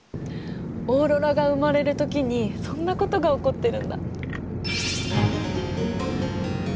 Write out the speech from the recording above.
オーロラが生まれるときにそんなことが起こってるんだ。